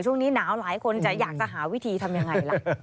ช่วงนี้หนาวหลายคนจะอยากจะหาวิธีทำยังไงล่ะ